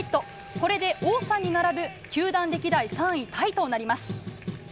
これで王さんに並ぶ球団歴代３位タイとなります。